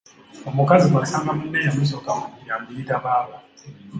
Omukazi bw’asanga munne eyamusooka mu ddya amuyita baaba.